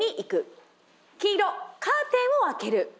黄色「カーテンを開ける」。